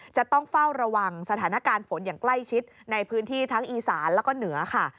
จะต้องเฝ้าระวังสถานการณ์ฝนอย่างใกล้ชิดในพื้นที่ทั้งอีสานแล้วก็เหนือค่ะ